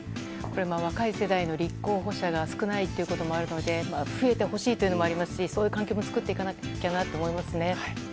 若い世代の立候補者が少ないこともあると思いますし増えてほしいというのもありますし、そういう環境も作っていかなきゃと思いますね。